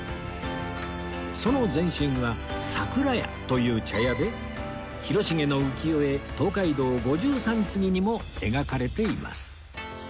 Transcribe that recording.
その前身は「さくらや」という茶屋で広重の浮世絵『東海道五拾三次』にも描かれています